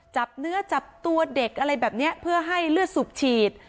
จับเนื้อจับตัวเด็กอะไรแบบนี้เพื่อให้เลือดสูบฉีด